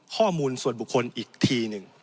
ข้อมูลส่วนบุคคลอีกทีหนึ่ง